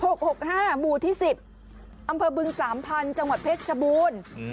หมู่ที่สิบอำเภอบึงสามพันธุ์จังหวัดเพชรชบูรณ์